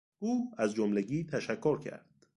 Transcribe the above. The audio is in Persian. او از جملگی تشکر کرد.